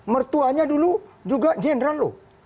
mertuanya dulu juga general loh